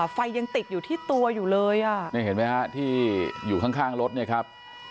ไฟยังติดอยู่ที่ตัวอยู่เลยอ่ะนี่เห็นไหมฮะที่อยู่ข้างรถเนี่ยครับ